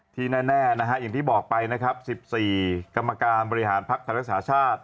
ที่แน่นะฮะอย่างที่บอกไปนะครับ๑๔กรรมการบริหารภักดิ์ไทยรักษาชาติ